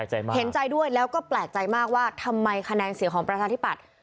เห็นใจด้วยแล้วก็แปลกใจมากว่าทำไมคะแนนเสียงของประชาธิปัตย์